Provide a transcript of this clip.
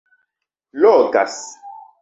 logas